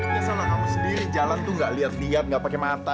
ya salah kamu sendiri jalan tuh gak liat liat gak pake mata